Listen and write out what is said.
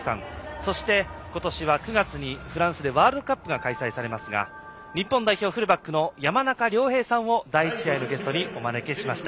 そして、今年は９月にフランスでワールドカップが開催されますが日本代表フルバックの山中亮平さんを第１試合ゲストにお招きしました。